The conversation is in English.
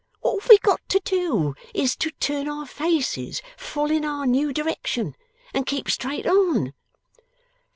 What we have got to do, is, to turn our faces full in our new direction, and keep straight on.